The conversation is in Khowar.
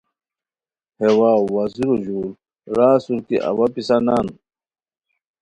ہے واؤ (وزیرو ژور) را اسور کی اوا پِسہ نان